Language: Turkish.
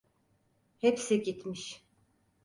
Hepsi gitmiş.